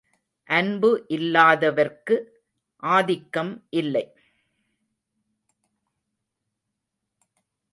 அன்பு இல்லாதவர்க்கு ஆதிக்கம் இல்லை.